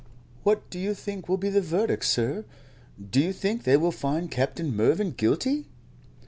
"What do you think will be the verdict, sir? Do you think they will find Captain Mervyn guilty?"